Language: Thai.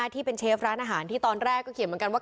ที่เป็นเชฟร้านอาหารที่ตอนแรกก็เขียนเหมือนกันว่า